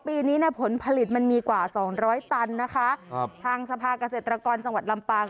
ปีนี้เนี่ยผลผลิตมันมีกว่าสองร้อยตันนะคะครับทางสภาเกษตรกรจังหวัดลำปาง